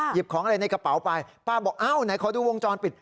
หยิบของอะไรในกระเป๋าไปป้าบอกอ้าวไหนขอดูวงจรปิด